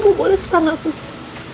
kamu boleh setengah bukti